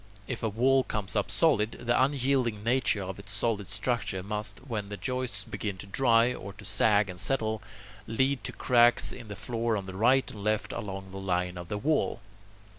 If a wall comes up solid, the unyielding nature of its solid structure must, when the joists begin to dry, or to sag and settle, lead to cracks in the floor on the right and left along the line of wall.